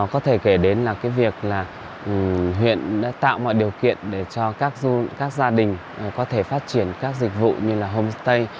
có thể kể đến là cái việc là huyện đã tạo mọi điều kiện để cho các gia đình có thể phát triển các dịch vụ như là homestay